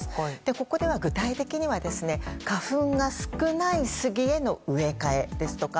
ここでは具体的には花粉が少ないスギへの植え替えですとか